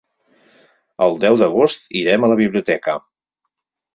El deu d'agost irem a la biblioteca.